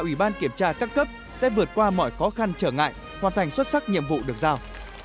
ủy ban kiểm tra các cấp sẽ vượt qua mọi khó khăn trở ngại hoàn thành xuất sắc nhiệm vụ được giao